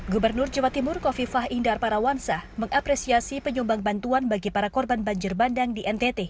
gubernur jawa timur kofifah indar parawansa mengapresiasi penyumbang bantuan bagi para korban banjir bandang di ntt